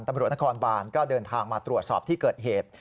ตำรวจนครบานก็เดินทางมาตรวจสอบที่เกิดเหตุ